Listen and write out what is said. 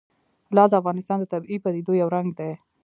لعل د افغانستان د طبیعي پدیدو یو رنګ دی.